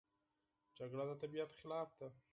جګړه د طبیعت خلاف ده